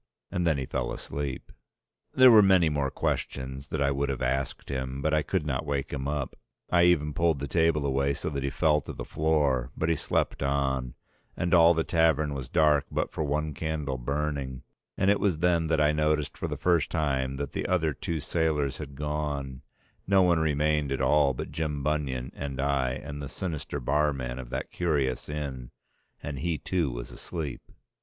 And then he fell asleep. There were many more questions that I would have asked him but I could not wake him up. I even pulled the table away so that he fell to the floor, but he slept on, and all the tavern was dark but for one candle burning; and it was then that I noticed for the first time that the other two sailors had gone, no one remained at all but Jim Bunion and I and the sinister barman of that curious inn, and he too was asleep.